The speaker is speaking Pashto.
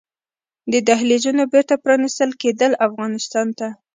د دهلېزونو بېرته پرانيستل کیدل افغانستان ته